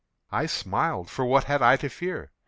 I smiled,—for what had I to fear?